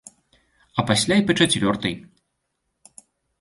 А пасля і па чацвёртай!